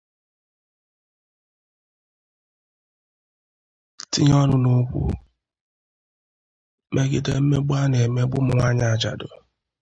tinye ọnụ n'okwu megide mmegbu a na-emegbu ụmụnwaanyị ajadụ